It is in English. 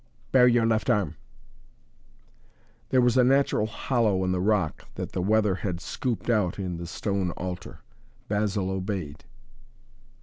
"Bare your left arm!" There was a natural hollow in the rock, that the weather had scooped out in the stone altar. Basil obeyed.